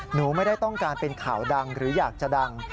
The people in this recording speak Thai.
หนูไม่ได้ต้องการเป็นข่าวดังหรืออยากจะดัง